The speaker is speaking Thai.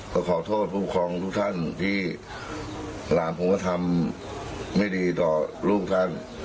ก็ขอโทษผู้ปกครองทุกท่านที่หลานผมก็ทำไม่ดีต่อลูกท่าน